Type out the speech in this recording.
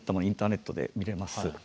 インターネットで見れます。